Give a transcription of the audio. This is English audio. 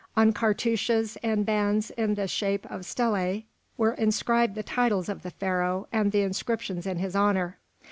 On cartouches and bands in the shape of stelæ were inscribed the titles of the Pharaoh and inscriptions in his honour.